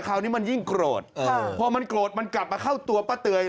คราวนี้มันยิ่งโกรธพอมันโกรธมันกลับมาเข้าตัวป้าเตย